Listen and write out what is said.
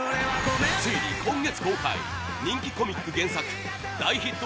ついに、今月公開人気コミック原作大ヒット